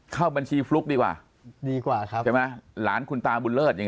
เข้าบัญชีฟลุ๊กดีกว่าดีกว่าครับใช่ไหมหลานคุณตาบุญเลิศอย่าง